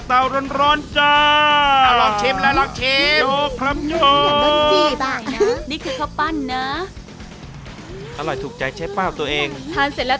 ข้าวเหนียวดำเสร็จแล้ว